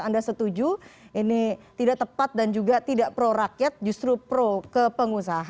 anda setuju ini tidak tepat dan juga tidak pro rakyat justru pro ke pengusaha